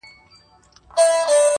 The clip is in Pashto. سېمابي سوی له کراره وځم،